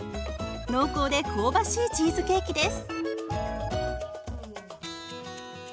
濃厚で香ばしいチーズケーキです。